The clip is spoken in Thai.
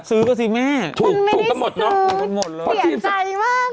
ซื้อก็สิแม่ถูกมันตัวหมดเนอะอืมถูกกันหมดเสี่ยงใจมากเลย